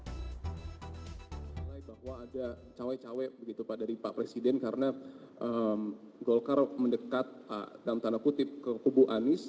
menilai bahwa ada cawe cawe begitu pak dari pak presiden karena golkar mendekat dalam tanda kutip ke kubu anies